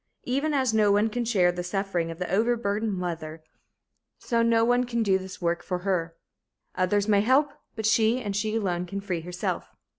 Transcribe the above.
Even as no one can share the suffering of the overburdened mother, so no one can do this work for her. Others may help, but she and she alone can free herself.